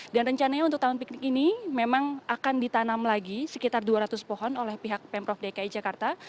dan rencananya untuk taman piknik ini memang akan ditanam lagi sekitar dua ratus pohon oleh pihak pemprov dki jakarta